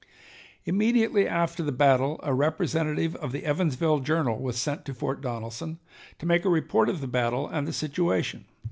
Immediately after the battle a representative of the "Evansville Journal" was sent to Fort Donelson to make a report of the battle and the situation.